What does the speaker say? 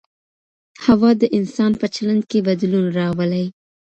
هوا د انسان په چلند کي بدلون راولي.